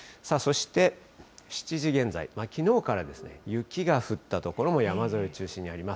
そして７時現在、きのうから雪が降った所も山沿いを中心にあります。